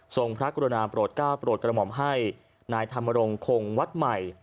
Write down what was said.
ทรงพระกุฎนาประโหลดก้าวประโหลดกระหม่อมให้นายธรรมรงคงวัดใหม่